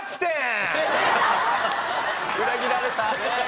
裏切られた。